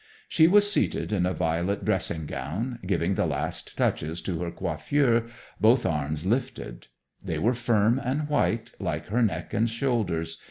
She was seated, in a violet dressing gown, giving the last touches to her coiffure, both arms lifted. They were firm and white, like her neck and shoulders.